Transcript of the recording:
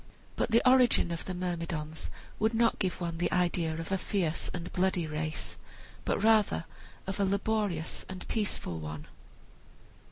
But the origin of the Myrmidons would not give one the idea of a fierce and bloody race, but rather of a laborious and peaceful one.